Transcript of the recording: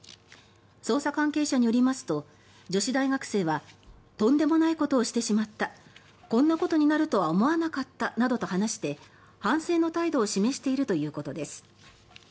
捜査関係者によりますと女子大学生はとんでもないことをしてしまったこんなことになるとは思わなかったなどと話して反省の態度を示しているということです。